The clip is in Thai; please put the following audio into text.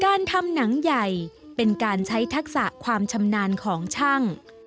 การทำหนังใหญ่เป็นการใช้ทักษะความชำนาญของช่าง